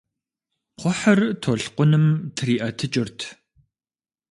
Кхъухьыр толъкъуным триӀэтыкӀырт.